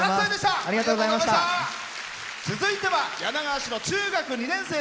続いては柳川市の中学２年生。